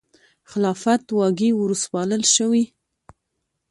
خلافت واګې وروسپارل شوې.